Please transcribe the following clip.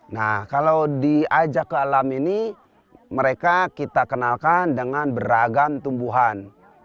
nah di tbm ini mereka kita kenalkan dengan beragam tumbuhan